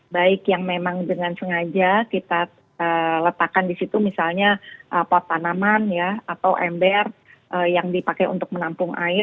baik yang memang dengan sengaja kita letakkan di situ misalnya pot tanaman atau ember yang dipakai untuk menampung air